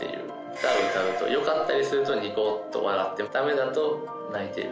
歌を歌うとよかったりするとニコッと笑ってダメだと泣いてる。